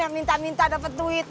minta minta dapat duit